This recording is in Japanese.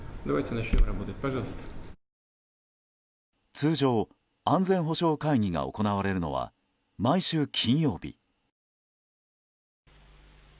通常、安全保障会議が行われるのは毎週金曜日。